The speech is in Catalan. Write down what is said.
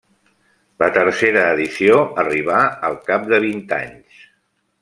La tercera edició arribà al cap de vint anys.